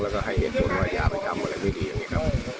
แล้วก็ให้เหตุบรวดรัดยาไปทำอะไรด้วยดีอย่างนี้ครับ